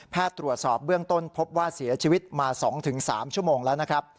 ตรวจสอบเบื้องต้นพบว่าเสียชีวิตมา๒๓ชั่วโมงแล้วนะครับ